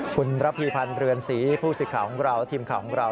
คุณระพีพันธ์เรือนศรีผู้สิทธิ์ของเราทีมข่าวของเรา